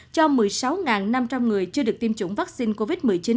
cho một mươi sáu năm trăm linh người chưa được tiêm chủng vaccine covid một mươi chín